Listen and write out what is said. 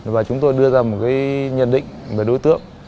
và chúng tôi đưa ra một cái nhận định về đối tượng